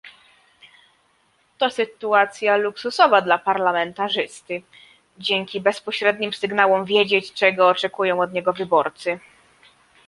To sytuacja luksusowa dla parlamentarzysty, dzięki bezpośrednim sygnałom wiedzieć, czego oczekują od niego wyborcy